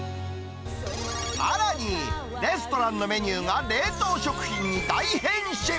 さらに、レストランのメニューが冷凍食品に大変身。